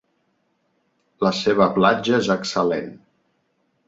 La seva platja és excel·lent.